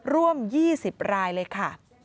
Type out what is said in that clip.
ร่วม๒๐รายเลยค่ะ